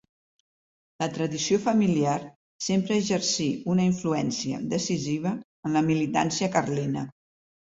La tradició familiar sempre exercí una influència decisiva en la militància carlina.